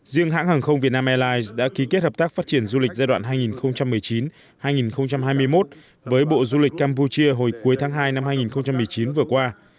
riêng hãng hàng không việt nam airlines đã ký kết hợp tác phát triển du lịch giai đoạn hai nghìn một mươi chín hai nghìn hai mươi một với bộ du lịch campuchia hồi cuối tháng hai năm hai nghìn một mươi chín vừa qua